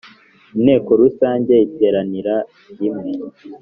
Inteko rusange iterana rimwe